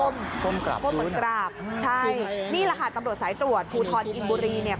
เหมือนกราบใช่นี่แหละค่ะตำรวจสายตรวจภูทรอินบุรีเนี่ย